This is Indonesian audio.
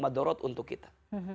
madarot untuk kita